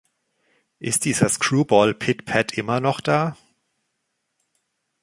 Ist dieser Screwball Pit Pat immer noch da?